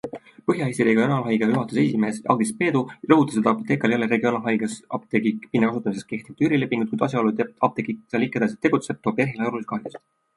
Põhja-Eesti Regionaalhaigla juhatuse esimees Agris Peedu rõhutas, et Apothekal ei ole regionaalhaiglas apteegi pinna kasutamiseks kehtivat üürilepingut, kuid asjaolu, et apteek seal ikka edasi tegutseb, toob PERH-ile olulisi kahjusid.